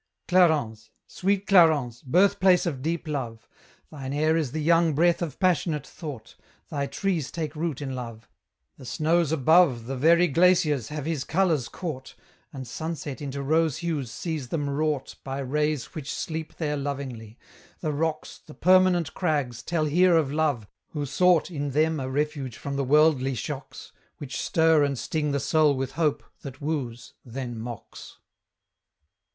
Clarens! sweet Clarens! birthplace of deep Love! Thine air is the young breath of passionate thought; Thy trees take root in love; the snows above The very glaciers have his colours caught, And sunset into rose hues sees them wrought By rays which sleep there lovingly: the rocks, The permanent crags, tell here of Love, who sought In them a refuge from the worldly shocks, Which stir and sting the soul with hope that woos, then mocks.